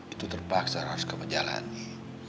itu terpaksa harus kami jalani